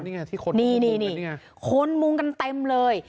นี่ไงที่คนนี่นี่ไงคนมุงกันเต็มเลย